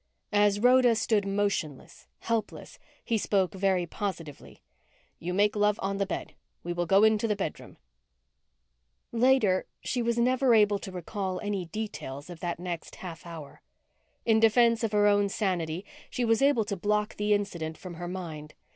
As Rhoda stood motionless, helpless, he spoke very positively. "You make love on the bed. We will go into the bedroom ..." Later, she was never able to recall any details of that next half hour. In defense of her own sanity, she was able to block the incident from her mind.